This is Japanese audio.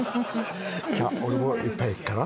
じゃっ俺も一杯いくかな